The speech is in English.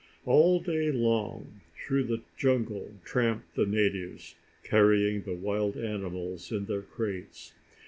All day long through the jungle tramped the natives, carrying the wild animals in their crates.